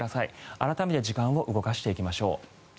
改めて時間を動かしていきましょう。